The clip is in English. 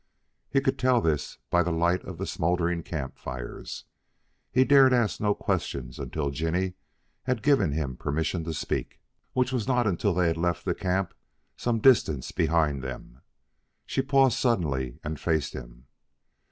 He could tell this by the light of the smouldering camp fires. He dared ask no questions until Jinny had given him permission to speak, which was not until they had left the camp some distance behind them. She paused suddenly and faced him.